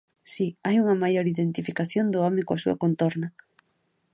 Si, hai unha maior identificación do home coa súa contorna.